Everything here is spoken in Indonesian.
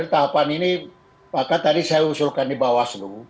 tahapan ini maka tadi saya usulkan di bawaslu